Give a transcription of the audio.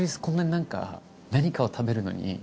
こんなに何かを食べるのに。